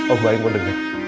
om baik mau denger